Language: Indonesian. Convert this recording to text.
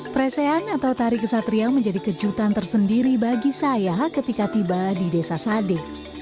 presean atau tari kesatria menjadi kejutan tersendiri bagi saya ketika tiba di desa sade